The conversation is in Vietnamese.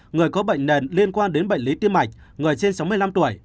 người có bệnh nền liên quan đến bệnh lý tim mạch người trên sáu mươi năm tuổi